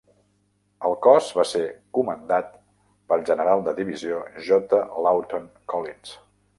El cos va ser comandat pel general de divisió J. Lawton Collins.